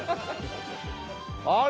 あれ！